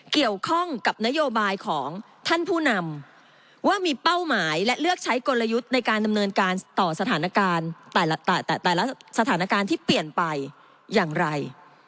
เกี่ยวข้องกับนโยบายของท่านผู้นำว่ามีเป้าหมายและเลือกใช้กลยุทธ์ในการดำเนินการต่อสถานการณ์แต่ละสถานการณ์ที่เปลี่ยนไปอย่างไร